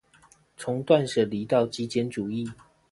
從斷捨離到極簡主義